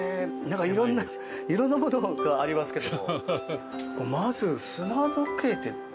色んなものがありますけど。